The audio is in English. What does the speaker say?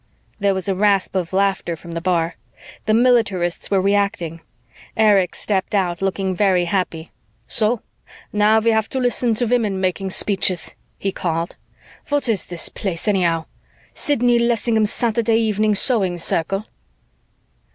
There was a rasp of laughter from the bar. The militarists were reacting. Erich stepped out, looking very happy. "So now we have to listen to women making speeches," he called. "What is this Place, anyhow? Sidney Lessingham's Saturday Evening Sewing Circle?"